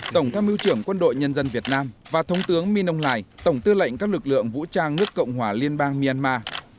tổng tham mưu trưởng quân đội nhân dân việt nam và thống tướng minh âu lài tổng tư lệnh các lực lượng vũ trang nước cộng hòa liên bang myanmar